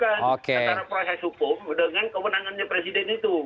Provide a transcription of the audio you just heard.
karena proses hukum dengan kewenangannya presiden itu